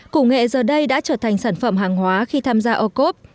củ nghệ giờ đây đã trở thành sản phẩm hàng hóa khi tham gia ocop